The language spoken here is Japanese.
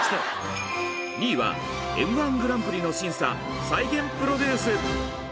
２位は「Ｍ−１グランプリ」の審査再現プロデュース！